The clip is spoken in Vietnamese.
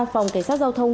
phòng cảnh sát giao thông